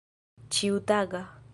ĉiutaga